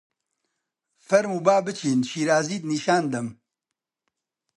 فەرموو با بچین شیرازیت نیشان دەم!